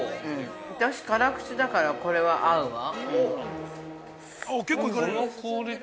私、辛口だから、これは合うわ。